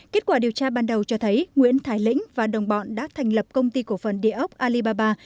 kết quả điều tra ban đầu cho thấy nguyễn thái lĩnh và đồng bọn đã thành lập công ty cổ phần địa ốc alibaba